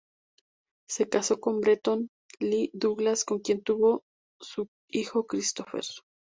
Se casó con Bretton Lee Douglas, con quien tuvo su hijo Christopher.